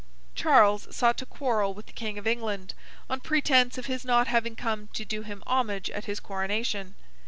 Charles sought to quarrel with the King of England, on pretence of his not having come to do him homage at his coronation.